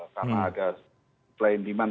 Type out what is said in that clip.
karena ada supply and demand